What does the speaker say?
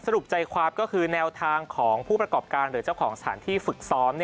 รุปใจความก็คือแนวทางของผู้ประกอบการหรือเจ้าของสถานที่ฝึกซ้อม